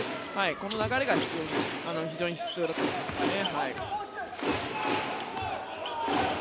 この流れが非常に必要だと思いますね。